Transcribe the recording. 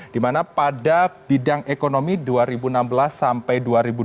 di mana pada bidang ekonomi dua ribu enam belas sampai dua ribu dua puluh